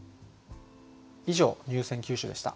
以上入選九首でした。